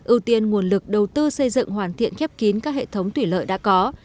ưu tiên nguồn lực đầu tư xây dựng hoàn thiện khép kín các hệ thống thủy lợi đã có